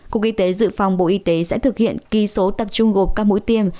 cục y tế dự phòng bộ y tế sẽ thực hiện ký số tập trung gộp các mũi tiêm